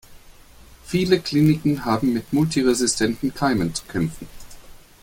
Viele Kliniken haben mit multiresistenten Keimen zu kämpfen.